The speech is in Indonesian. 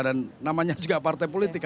dan namanya juga partai politik